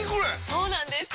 そうなんです！